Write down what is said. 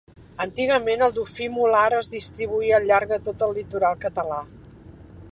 Antigament, el dofí mular es distribuïa al llarg de tot el litoral català.